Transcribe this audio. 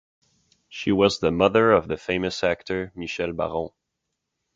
She was the mother of the famous actor Michel Baron.